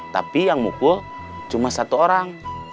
tapi yang mukul cuma satu orang